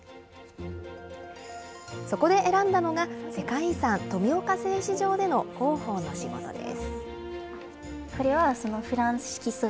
そこで選んだのが、世界遺産、富岡製糸場での広報の仕事です。